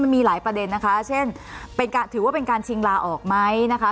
มีหลายประเด็นนะคะเช่นถือว่าเป็นการชิงลาออกไหมนะคะ